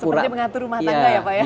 seperti mengatur rumah tangga ya pak ya